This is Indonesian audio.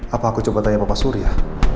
apa aku coba tanya bapak surya